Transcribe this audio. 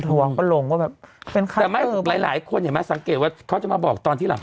หัวก็ลงว่าแบบแต่ไม่หลายหลายคนอย่ามาสังเกตว่าเขาจะมาบอกตอนที่หลัง